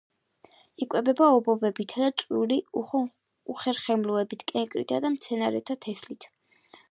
იკვებება ობობებითა და წვრილი უხერხემლოებით, კენკრითა და მცენარეთა თესლით.